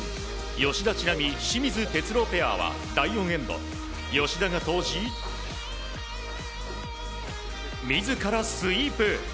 吉田知那美、清水徹郎ペアは第４エンド、吉田が投じ自らスイープ。